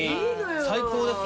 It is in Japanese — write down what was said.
最高ですね。